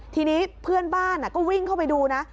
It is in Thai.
ทีนี้เพื่อนบ้านก็วิ่งเข้าไปดูนะ